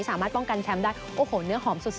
สามารถป้องกันแชมป์ได้โอ้โหเนื้อหอมสุด